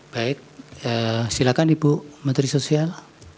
baik silakan ibu menteri sosial